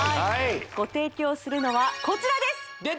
ご提供するのはこちらです！